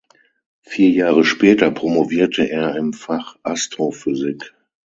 Vier Jahre später promovierte er im Fach Astrophysik.